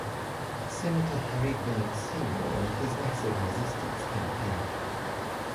Senator Harry Byrd, Senior and his Massive Resistance campaign.